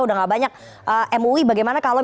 udah gak banyak mui bagaimana kalau